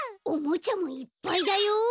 おもちゃもいっぱいだよ！